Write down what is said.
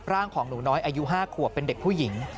ของหนูน้อยอายุ๕ขวบเป็นเด็กผู้หญิง